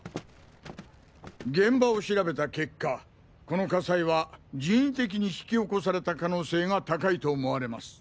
現場を調べた結果この火災は人為的に引き起こされた可能性が高いと思われます。